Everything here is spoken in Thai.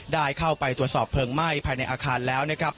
ได้เข้าไปตรวจสอบเพลิงไหม้ภายในอาคารแล้วนะครับ